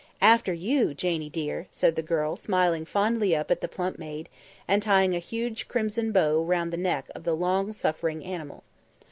"After you, Janie dear," said the girl, smiling fondly up at the plump maid and tying a huge crimson bow round the neck of the long suffering animal.